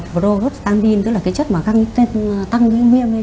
pro rốt tang din tức là cái chất mà tăng ứng biêm lên